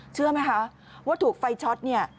เชื่อไหมคะว่าถูกไฟช็อตเนี่ย